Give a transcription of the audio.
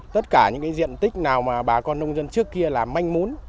tất cả những diện tích nào mà bà con nông dân trước kia làm manh mốn